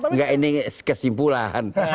enggak ini kesimpulannya